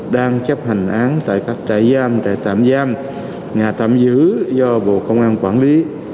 đang chấp hành án tại các trại giam tại tạm giam nhà tạm giữ do bộ công an quản lý